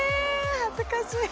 恥ずかしい！